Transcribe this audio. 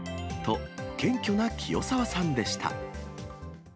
と、謙虚な清澤さんでした。